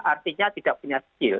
artinya tidak punya skill